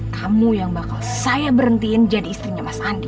tamu yang bakal saya berhentiin jadi istrinya mas andi